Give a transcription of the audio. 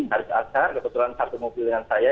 haris azhar kebetulan satu mobil dengan saya